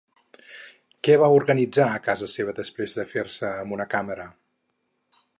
Què va organitzar a casa seva després de fer-se amb una càmera?